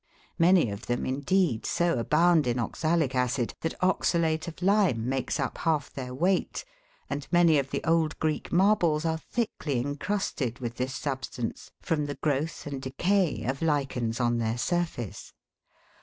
Many of them, indeed, so abound in oxalic acid that oxalate of lime makes up half their weight, and many of the old Greek marbles are thickly encrusted with this substance from the growth and decay of lichens on their surface.